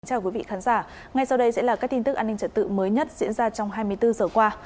chào quý vị khán giả ngay sau đây sẽ là các tin tức an ninh trật tự mới nhất diễn ra trong hai mươi bốn giờ qua